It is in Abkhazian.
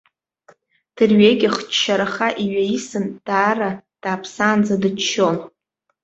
Дырҩегьых ччараха иҩаисын, даара дааԥсаанӡа дыччон.